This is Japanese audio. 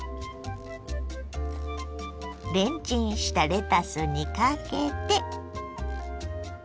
レンチンしたレタスにかけて。